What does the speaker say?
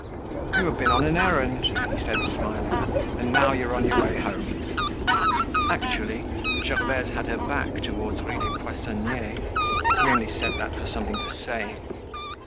"You have been on an errand," he said, smiling. "And now you are on your way home." Actually Gervaise had her back toward Rue des Poissonniers. He only said that for something to say.